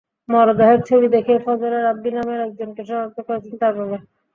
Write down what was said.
মরদেহের ছবি দেখে ফজলে রাব্বি নামের একজনকে শনাক্ত করেছেন তাঁর বাবা।